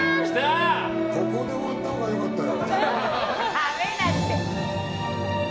ここで終わったほうが良かったよ。